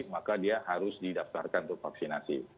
maka dia harus didaftarkan untuk vaksinasi